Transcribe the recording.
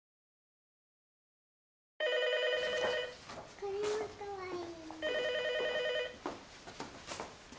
これもかわいい。